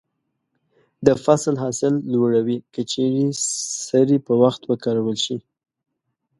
د فصل حاصل لوړوي که چیرې سرې په وخت وکارول شي.